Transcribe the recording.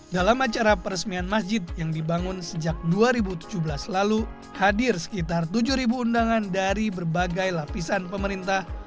dalam acara peresmian masjid yang dibangun sejak dua ribu tujuh belas lalu hadir sekitar tujuh undangan dari berbagai lapisan pemerintah